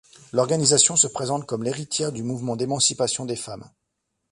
L'organisation se présente comme l'héritière du mouvement d'émancipation des femmes.